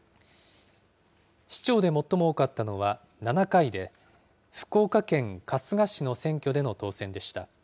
市長で最も多かったのは７回で、福岡県春日市の選挙での当選でした。